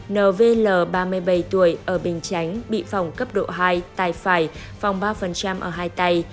nvl ba mươi bảy tuổi ở bình chánh bị phòng cấp độ hai tay phải phòng ba ở hai tay